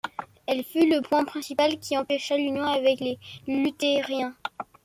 Elle fut le point principal qui empêcha l'union avec les luthériens.